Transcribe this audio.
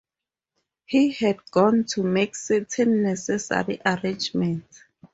He had gone to make certain necessary arrangements.